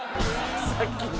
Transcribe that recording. さっきの。